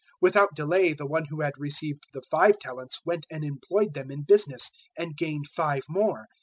025:016 Without delay the one who had received the five talents went and employed them in business, and gained five more.